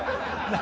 何？